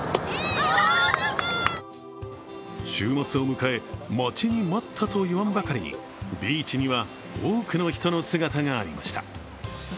週末を迎え、待ちに待ったと言わんばかりにビーチには多くの人の姿がありました。